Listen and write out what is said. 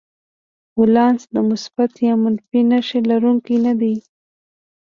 ولانس د مثبت یا منفي نښې لرونکی نه دی.